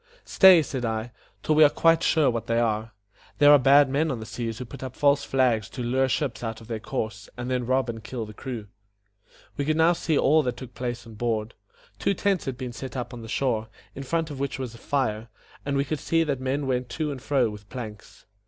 "Stay," said I, "till we are quite sure what they are. There are bad men on the seas who put up false flags to lure ships out of their course, and then rob and kill the crew." We could now see all that took place on board. Two tents had been set up on the shore, in front of which was a fire; and we could see that men went to and fro with planks.